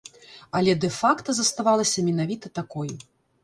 Але дэ-факта заставалася менавіта такой.